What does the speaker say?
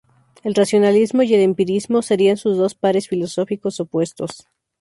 El racionalismo y el empirismo serían sus dos pares filosóficos opuestos.